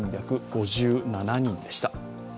３３５７人でした。